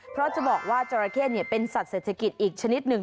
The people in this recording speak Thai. เพราะจะบอกว่าจราเข้เป็นสัตว์เศรษฐกิจอีกชนิดหนึ่ง